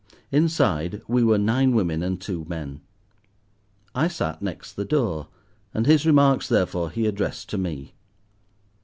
Inside we were nine women and two men. I sat next the door, and his remarks therefore he addressed to me.